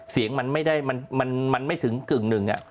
เสียงมันไม่ได้มันไม่ถึงกึ่งหนึ่ง